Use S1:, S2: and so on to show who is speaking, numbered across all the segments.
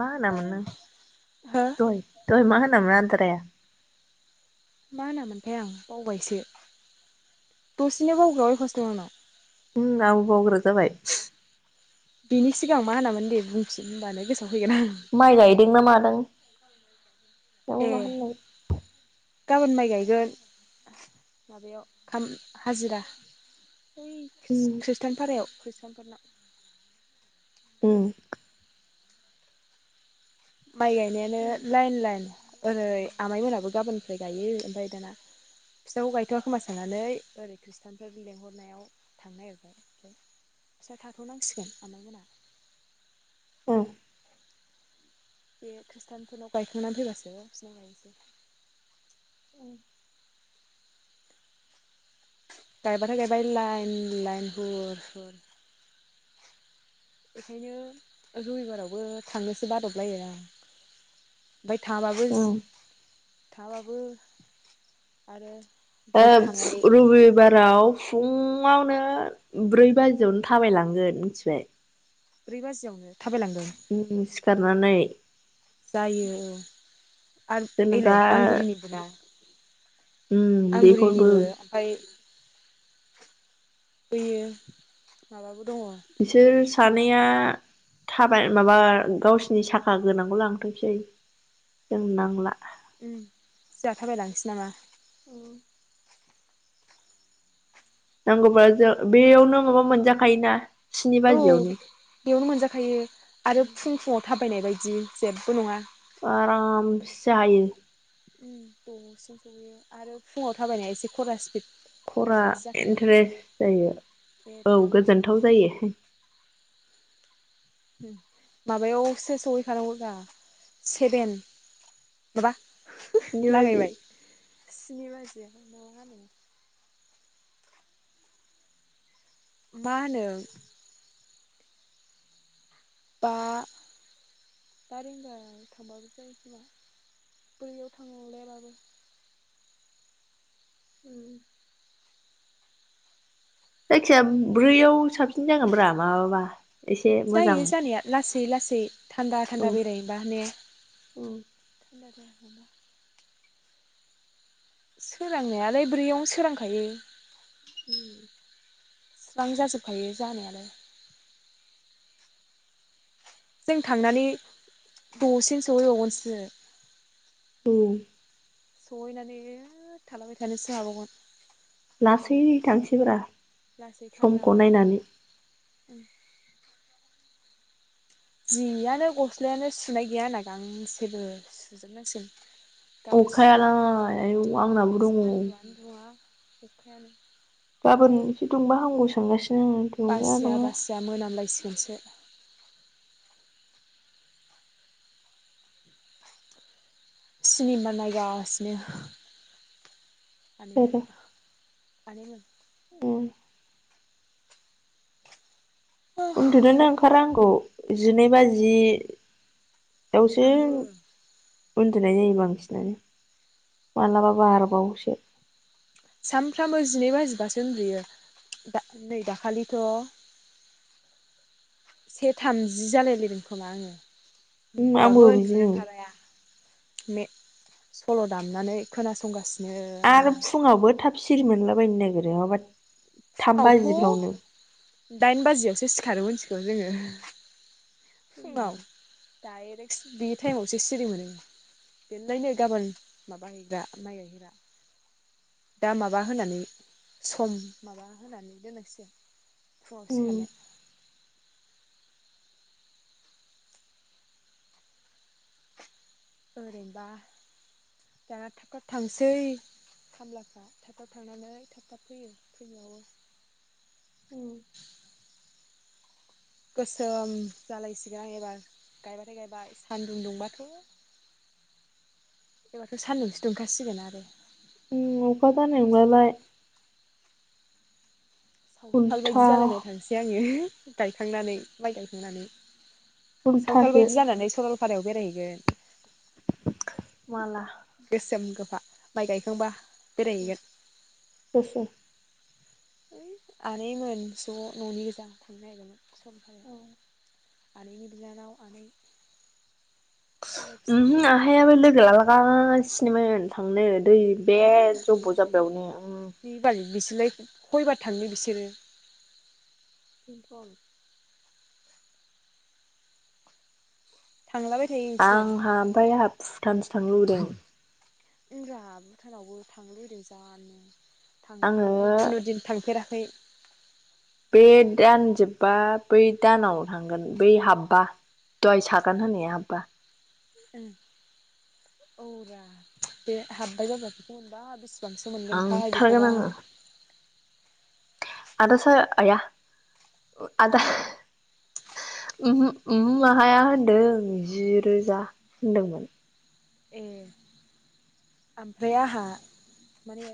S1: मा होनामोन नों
S2: हो
S1: दहाय मा होनामोन आन्दारे?
S2: मा होनामोनथाय आं बावबायसो दसेनो बावग्रा अयफास दं आंनाव।
S1: उम आंबो बावग्रा जाबाय।
S2: बिनि सिगां मा होनामोन दे बुंफिन होनबानो गोसो
S1: माइ गायदों ना मादों
S2: ए
S1: दंबा होनलाय।
S2: गाबोन माइ गायगोन माबायाव आम हाजिरा। बै
S1: उम
S2: खृष्ट खृष्टान भारायाव खृष्टानफोरनाव।
S1: उम।
S2: माइ गायनायानो लाइन लाइन। ओरै आमाइमोनाबो गाबोननिफ्राय गायो ओमफ्राय दाना फिसाखौ गायथ'वा खोमा साननानै ओरै खृष्टानफोर लेंहरनायाव थांनो नागिरबाय उम फिसा थाथ'नांसिगोन आमायमोना।
S1: उम
S2: बे खृषटानफोरनाव गायखांनानै फैबासोबो बिसिनाव गायनोसै।
S1: औ।
S2: गाइबाथाय गायबाय लाइन लाइन हुर हुर। ओंखायनो रबिबारावबो थांनोसो बादबलायो आं। ओमफाय थाङाबाबो
S1: उम
S2: थाङाबाबो बो आरो
S1: ओ
S2: ग्रुप थांनानै जानाय नङाना
S1: रबिबाराव फुं फुङावनो ब्रै बाजियावनो थाबायलांगोन मिथिबाय।
S2: ब्रै बाजियावनो? थाबायलांगोन
S1: उम सिखारनानै।
S2: जायो औ आरो
S1: जेनेबा
S2: ओइलाय आमगुरिनिबो ना
S1: उम बेखौबो
S2: आमगुरिनिबो ओमफाय बैयो माबाबो दङ
S1: बिसोर सानैया थाबाय माबा गावसिनि साखा गोनांखौ लांथोंसै जोंनो नांला।
S2: उम जोंहा थाबायलांसै नामा?
S1: ओं नांगौब्ला जों बेयावनो माबा मोनजाखायोना स्नि
S2: औ
S1: बाजियावनो
S2: बेयावनो मोनजाखायो आरो फुं फुाव थाबायनाय बायदि जेबो नङा
S1: [unintelligible] आरामसे हायो
S2: द'सिम सयो आरो फुङाव थाबायनाय एसे खर स्पिड
S1: खरा
S2: थाबायनाय बायदि जाखायो
S1: इन्टारेस्ट जायो
S2: बे आरो
S1: औ गोजोनथाव जायो हि
S2: माबायावसो सहैखानांगौ दा सेभेन माबा
S1: स्नि बाजि
S2: लागायबाय स्नि बाजियाव [inaudible] माबा हानो मा होनो बा बा रिंगायाव थांबाबो जायो खोमा ब्रैयाव थांलायाबाबो
S1: उम जायखिया ब्रैयाव साबसिन जागोन ब्रा माबाबा एसे मोजां
S2: जायो जानाया लासै लासै लासै थान्दा
S1: औ
S2: थान्दा बेरायायो बा ने [inaudible]
S1: औ
S2: सोरांनायालाय ब्रैयावनो सोरांखायो
S1: उम
S2: स्रां जाजोबखायो जानायालाय जों थांनानै दसेनो सोवहैबावगोनसो
S1: औ
S2: सहैनानै ओ थलाबाय थानोसो हागावगोन
S1: लासै थांसैब्रा
S2: लासै थान्दा
S1: समखौ
S2: थान्दा
S1: नायनानै
S2: जियानो गस्लायानो सुनाय गैया होनना गांसेबो सुजोबनांसिम गाबोन सु
S1: अखायालाय आयौ आंनाबो दङ
S2: सान्दुआनो दङा अखायानो
S1: गाबोन एसे दुंबा हामौ सानगासि
S2: बासिया बासिया मोनामलायसिगोनसो सिनेमा नायगासिनो आनै
S1: सोरो
S2: मोनाहा आनै मोन
S1: उम उन्दुुनोनो ओंखारहांगौ जिनै बाजि दउसो
S2: आंबो
S1: उन्दुनाय जायो बांसिनानो माब्लाबा बारबावसो
S2: सानफ्रामबो जिनै बाजिबासो उन्दुयो नै दाखालिथ' से थामजि जालायलायदों खोमा आङो
S1: उम आंबो
S2: होनबाबो उन्दुनो
S1: बिदिनो
S2: ओंखारगाया मे सल' दामनानै खोनासंगासि
S1: आरो फुङावबो थाब सिरि मोनलाबायायनो नागिरो माबा थाम बाजिफ्रावनो
S2: फुङावथ' दाइन बाजियावसो सि खारो मिथिगौ जोङो।
S1: [unintelligible]
S2: डायरेक्ट स्नि टाइमावसो सिरि मोनो बेनोलायनो गाबोन माबाहैग्रा माइ गायग्रा। दा माबा होनानै सम माबा होनानै दोनांसिगोन फुङाव सिखारनो। ओरैनोबा दाना थाब थाब थांसै खामलाफ्रा थाब थाब थांनानै थाब थाब फैयो फैनायावबो।
S1: उम।
S2: गोसोम जालायसिगोन आं एबार गायबाथाय गायबाय सानदुं दुंबाथ' एबाराथ' सान्दुंसो दुंखासिगोन आरो।
S1: उम अखासो हानाय
S2: आमथिसुवा
S1: नंलालाय।
S2: बायदि सावथाल बायदि
S1: उल्था
S2: जालाय लायथारनोसै आङो। गायखांनानै माइ गायखांनानै। सावथाल
S1: उल्थासो
S2: बायदि जानानै सरल फारायाव बेरायहैगोन।
S1: माला
S2: गोसोम गोफ फा माइ गायखांबा। बेरायहैगोन
S1: सोर सोर?
S2: आनैमोन ज' न'नि गोजा थांनो नागिरदोंमोन। सरलपारायाव। आनैनि बिनानाव आनै बेलाय बिसोरबो
S1: ओमहो आहायाबो लोगो लाला गासिनोमोन थांनो। दै बे
S2: थांनो
S1: जब्ब' जाब्बायावनो उम।
S2: बिबार बिसोरलाय खयबार थाङो बिसोरो?
S1: बेनथ'न।
S2: थांलाबाय थायो बिसोर
S1: आंहा ओमफाय आहा भुटानसो थांनो लुबैदों।
S2: होनरा भुटानावबो थांनो लुबैदों जानो थां
S1: आङो
S2: आंथ' खुनु दिन थांफेरा खै।
S1: बे दानजोबबा बै दानाव थांगोन बै हाब्बा दहाय सागोन होननाया हाब्बा।
S2: ओ औ रा बे हाब्बाय जाबाथ' मोनबा बेस सेबांसो मोनगोनथाय
S1: थांथारगोन
S2: बेखौबा
S1: आङो आदा सा आया आदा उमहो आहाया होनदों जि रोजा होनदोंमोन।
S2: ए आमफ्राय आहा माने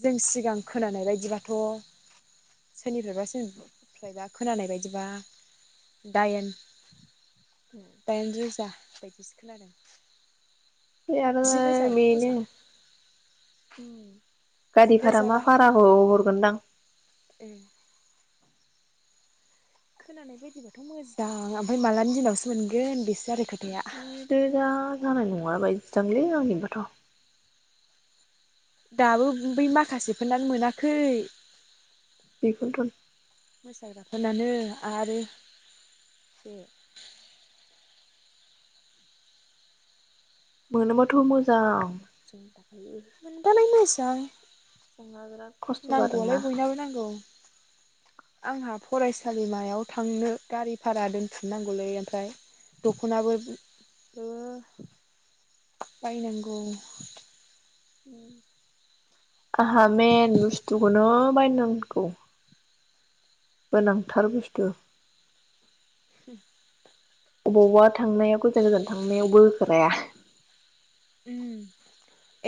S2: जों सिगां खोनानाय बायदिबाथ' सोरनिफ्रायबा सोरनिफ्रायबा खोनानाय बायदिबा दाइन दाइन रोजा बायदिस खोनादों।
S1: बे
S2: जि
S1: आरोय
S2: रोजाबाथ'
S1: बेनो
S2: मोजां जि
S1: गारि भारा
S2: रोजाबा
S1: मा
S2: हामगौ
S1: भाराखौ हरगोनदां।
S2: ए खोनानाय बायदिबाथ' मोजां ओमफ्राय मालानि दिनावसो मोनगोन बेसे
S1: जिदोजा जानाय नं बायदि थांलै आंनिबोाथ'।
S2: दाबो बै माखासेफोरनानो मोनाखै।
S1: बेखौथ
S2: मोसाग्राफोरोनानो आरो एसे
S1: मोनोबाथ' मोजां जों द
S2: मोनबालाय मोजां
S1: जोंहा बिराद खस्थ' जादोंना
S2: नांगौआलाय बयनाबो नांगौ आंहा फरायसालिमायाव थांनो गारि भारा दोनफिननांगौलै ओमफ्राय दख'नाब बायनांगौ‌।
S1: आंहा मेन बुस्थुखौनो बायनांगांगौ। गोनांथार बुस्थु
S2: हुम
S1: अबाव अबबा थांनायाव गोजान गोजान थांनायावबो होखाराया।
S2: उम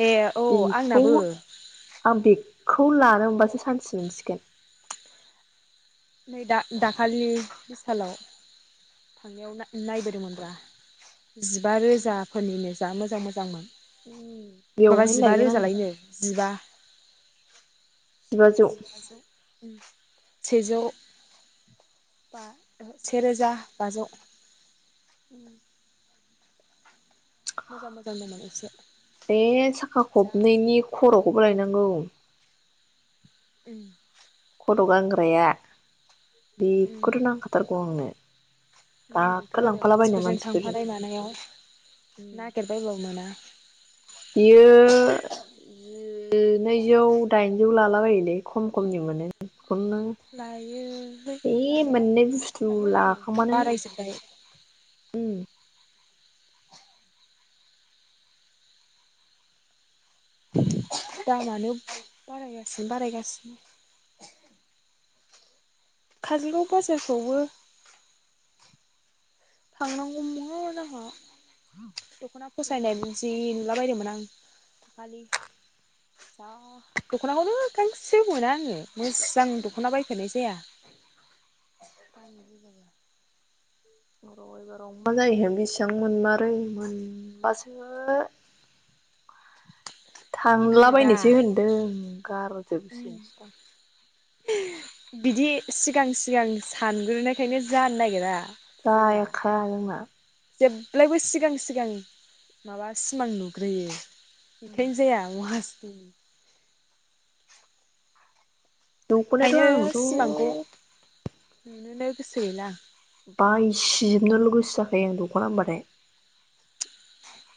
S2: ए औ
S1: बेखौ
S2: आंनाबो
S1: आं बेग खौ लानो मोनबासो सान्थि मोनसिगोन।
S2: नै दा दाखालि बिसालाव थांनायाव नायबोदोंमोनब्रा जिबा रोजाफोरनिनो जा मोजां मोजांमोन। माबा
S1: बेवहायनो
S2: जिबा
S1: लायगोन आङो
S2: रोजालायनो जिबा। जिबाजौ सेजौ सेरोजा बाजौ
S1: उम
S2: मोजां मोजां दंमोन एसे
S1: बे साखा
S2: जा
S1: खबनैनि खर'खौबो लायनां। नोंगौ
S2: उम
S1: हराव गनग्राया। बेखौथ' नांखाथारगौ आंनो।
S2: नंगौथ'
S1: गाखो
S2: आरो
S1: लांफालाबायनो
S2: मानसिफोरजों
S1: मानसिफोर
S2: थांफानाय मानायाव नागिरबायबाबो मोना।
S1: बियो जि नैजौ दाइनजौ लालाबोलै खम खमनि मोनो। बेखौनो
S2: लायोलै
S1: है
S2: लानाया
S1: मोननै बुस्थु
S2: दाथ' नै
S1: लाखोमा नों
S2: बारायजोब्बाय औ दामानो बारायगासिनो बारायगासिनो। काजलगाव बाजारखौबो थांनांगौमोन आंहा। दख'ना फसायनाय जि नुला बायदोंमोन आं [unintelligible] दखनाखौनो गांसे मोना आंङो मोजां दख'ना बायखेरनाय जाया
S1: र एबाराव मा जायोथाय बेसेबां मोनमारै मोनबासो।
S2: [inaudible] आङो दा
S1: थांलाबायनोसै होनदों गार'जोबो
S2: बिदि सिगां- सिगां सानग्रोनायखायनो जानो नागिरा। जोंना
S1: जाखायानो मा।
S2: जेब्लायबो सिगां सिगां माबा सिमां नुग्रोयो। बेखायनो जाया महा [inaudible]
S1: दखनायथ' आं
S2: नोनो गोसो गैला आं।
S1: बायसिजोबनोल' गोसो जाखायो आं दख'ना होनबाथाय।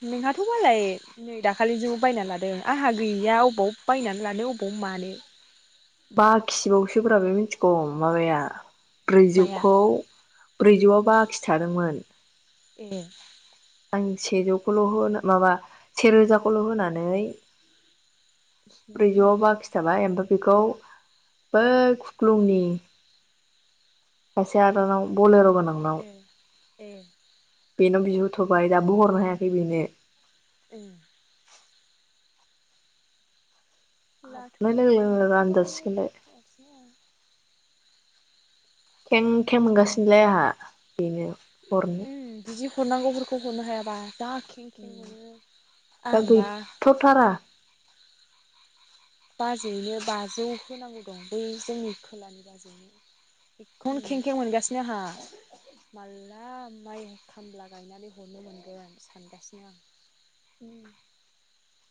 S2: नोंहाथ' मालाय नै दाखालि सो बायना लादों आंहा गैया बबाव बायनानै लानो अबाव मानो।
S1: बाखिबावसो ब्रा बे मिथिगौ माबाया।
S2: माया
S1: ब्रैजोखौ ब्रैजौआव बाखि थादोंमोन।
S2: ए।
S1: आं सेजौखौल' होनो माबा सेरोजाखौल' होनानै। ब्रैजौ
S2: उम
S1: आव बाखि थाबाय ओमफ्राय बेखौ बै खुख्लुंनि। खायसे आरोबाव बलेर मोन
S2: ए ए।
S1: बेनाव बिहरथ'बाय दाबो हरनो हायाखै बेनो।
S2: ओम। लाथ'
S1: हाबनाय लोगो लोगो
S2: मोनथ'बालाय
S1: रानजासिगोनलाय
S2: हसै।
S1: खेंखें मोनगासिनोलाय आंहा। बेनो हरनो
S2: उम बिदि हरनांगौफोरखौ हरनो हायाबा। जा खेंखेंमोनो
S1: दा
S2: आंहानोबा
S1: गैथ'थारा
S2: बाजैयैनो बाजौ होनांगौ दं बै जोंनि खोलानि बाजैयैनो। कम खें खें मोनगासिनो नो आंहा माला माइ खामला गायनानै हरनो मोनगोन सानगासिनो आं।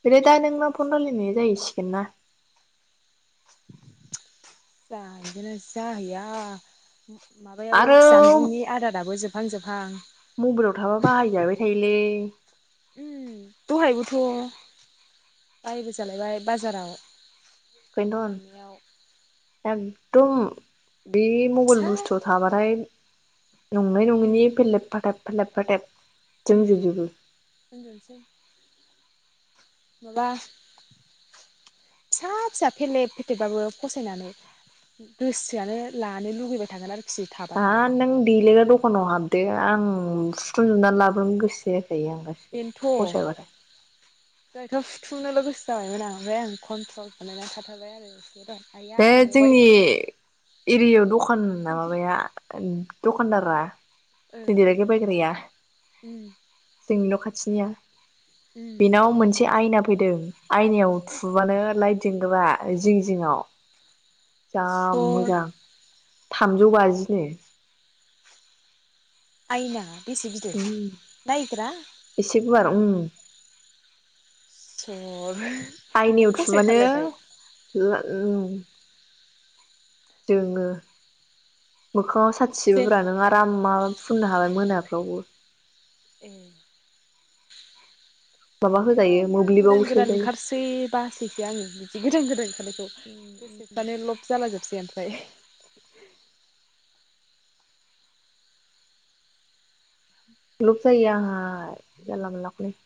S1: फ्राय दा नों मा फन रायलायनो जाहैसिगोन ना।
S2: जाहैगोना जाहैया। माबायाबो
S1: आरो
S2: जानबुंनि आदाराबो जोब जोबहां -जोबहां।
S1: मबाइलाव थाबा बाहायजाबाय थायोलै। [inaudible]
S2: उम दहायबोथ' बाहायजालायबाय बाजाराव।
S1: बबेहाय
S2: थांनायाव
S1: दं? दं। बे मंगल
S2: फिसा
S1: बुस्थु थाबाथाय नङै
S2: उम
S1: नङिनि बेलेब- फाथाब फोरलेब- फोथेब
S2: उम उन्दुनोसै। माबा फिसा-फिसा फेलेब फेथेबबाबो फसायनानै गोसोआनो लानो लुुबैबाय थागोन आरो।
S1: दा नों देलायग्रा दखानाव हाबदो आं सुथुंजोबनानै लाब गोसो जाखायो आं
S2: बेनोथ'
S1: गासिखौबो फसायबाथाय
S2: दहायथ' हुथुमजोबनो गोसो जाबायमोन आं ओमफ्राय आं कन्ट्रल खालामना थाथारबाय आरो। दहाय आइया
S1: बे
S2: थांबावबाय
S1: जोंनि एरियायाव दखान माबाया दखानदारा
S2: ओ
S1: जों देलायग्रा बायग्राया
S2: उम
S1: जोंनि न'खाथि निया
S2: उम
S1: बेनाव मोनसे आयना फैदों आयनायाव थुबानो लाइट जोंग्रा। आरो जिं जिङाव जा
S2: सर
S1: मोजां थामजौ बाजिनो।
S2: आयना
S1: उ इसे गुवार उम।
S2: इसर
S1: आइनायाव थुबानो ला ओम जोङो मोखा मोखाङाव
S2: जेन
S1: साथिजोबोब्रा नों आराम माबा फुननो हाबाय मोनाफ्रावबो
S2: ए
S1: माबा होजायो
S2: मा-मा
S1: मोब्लिबाव
S2: गोदान-गोदान
S1: सोजायो
S2: ओंखारसै बासैसो आङो बिदि गोदान -गोदान ओंखारनायखौ गोसोफ्रानो लब जालाजोबसै ओफ्राय
S1: लुपजायो आंहा जानला मामनलाखौनो।